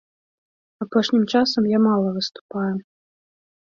Апошнім часам я мала выступаю.